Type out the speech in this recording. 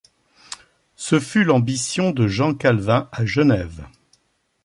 Ce fut l'ambition de Jean Calvin à Genève.